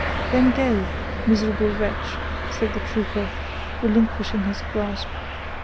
"Then go, miserable wretch," said the trooper, relinquishing his grasp.